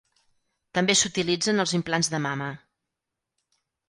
També s'utilitza en els implants de mama.